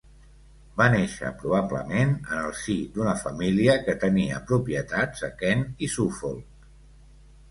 Va néixer probablement en el si d'una família que tenia propietats a Kent i Suffolk.